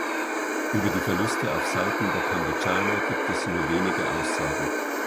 Über die Verluste auf Seiten der Kambodschaner gibt es nur wenige Aussagen.